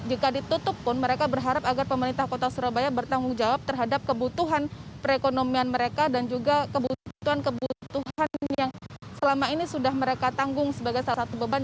jika ditutup pun mereka berharap agar pemerintah kota surabaya bertanggung jawab terhadap kebutuhan perekonomian mereka dan juga kebutuhan kebutuhan yang selama ini sudah mereka tanggung sebagai salah satu beban